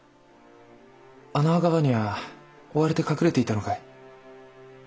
あの墓場には追われて隠れていたのかい？